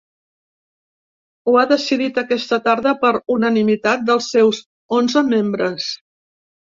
Ho ha decidit aquesta tarda per unanimitat dels seus onze membres.